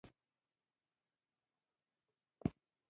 بزګر ته خاوره مور ده